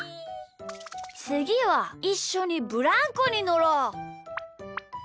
つぎはいっしょにブランコにのろう！